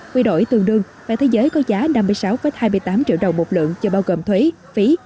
quy đổi tương đương và thế giới có giá năm mươi sáu hai mươi tám triệu đồng một lượng chưa bao gồm thuế phí